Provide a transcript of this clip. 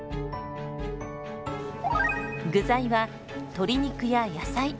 具材は鶏肉や野菜。